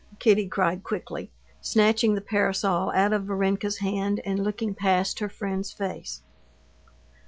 Kitty cried quickly, snatching the parasol out of Varenka's hand, and looking past her friend's face.